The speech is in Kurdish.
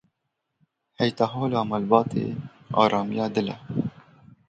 Heytehola malbatê, aramiya dil e.